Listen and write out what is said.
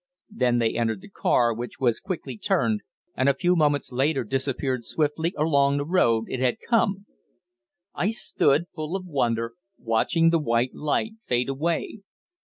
Then they entered the car, which was quickly turned, and a few moments later disappeared swiftly along the road it had come. I stood, full of wonder, watching the white light fade away.